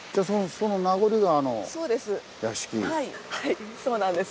じゃあはいそうなんです。